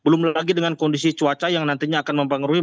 belum lagi dengan kondisi cuaca yang nantinya akan mempengaruhi